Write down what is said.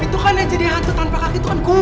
itu kan jadi hantu tanpa kaki itu kan gua